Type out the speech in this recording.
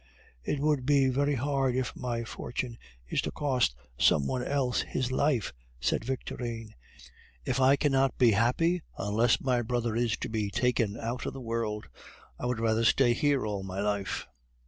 "It would be very hard if my fortune is to cost some one else his life," said Victorine. "If I cannot be happy unless my brother is to be taken out of the world, I would rather stay here all my life."